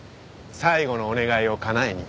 最後のお願いをかなえに。